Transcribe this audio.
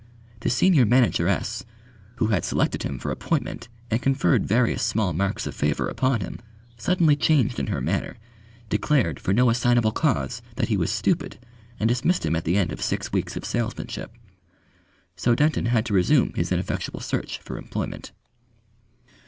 The Senior Manageress, who had selected him for appointment and conferred various small marks of favour upon him, suddenly changed in her manner, declared for no assignable cause that he was stupid, and dismissed him at the end of six weeks of salesmanship. So Denton had to resume his ineffectual search for employment.